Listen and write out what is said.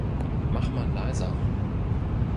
Mach mal leiser!